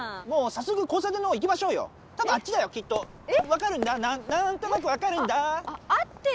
もう早速交差点のほう行きましょうよ多分あっちだよきっと分かるんだなーんとなく分かるんだえっ